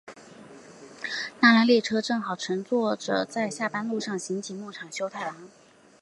那辆列车正好乘坐着在下班路上的刑警木场修太郎。